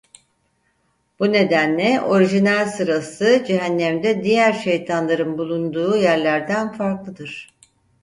Bu nedenle orijinal sırası cehennemde diğer şeytanların bulunduğu yerlerden farklıdır.